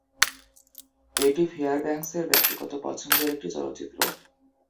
এটি ফেয়ারব্যাঙ্কসের ব্যক্তিগত পছন্দের একটি চলচ্চিত্র।